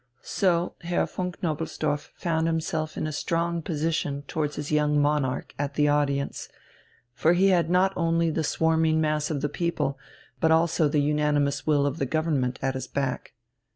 So Herr von Knobelsdorff found himself in a strong position towards his young Monarch at the audience; for he had not only the swarming mass of the people, but also the unanimous will of the Government at his back.